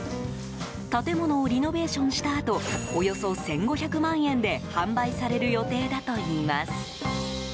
建物をリノベーションしたあとおよそ１５００万円で販売される予定だといいます。